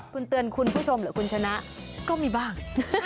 คุณเตือนคุณผู้ชมหรือคุณชนะก็มีบ้าง